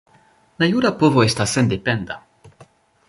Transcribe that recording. La jura povo estas sendependa.